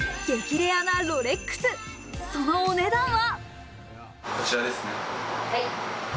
レアなロレックス、そのお値段は。